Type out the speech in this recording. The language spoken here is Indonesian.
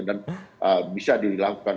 dan bisa dilakukan